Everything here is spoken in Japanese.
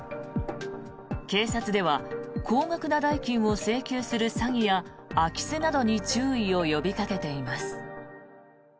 警察では高額な代金を請求する詐欺や空き巣などに注意を呼びかけています。